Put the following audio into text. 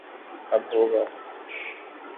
اب ہو گا